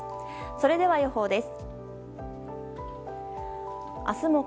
それでは予報です。